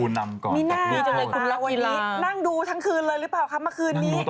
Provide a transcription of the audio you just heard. สวัสดีค่ะ